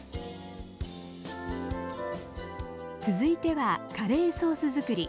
続いてはカレーソース作り。